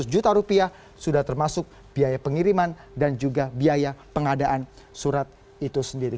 lima ratus juta rupiah sudah termasuk biaya pengiriman dan juga biaya pengadaan surat itu sendiri